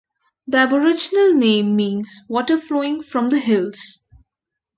The aboriginal name means "water flowing from the hills".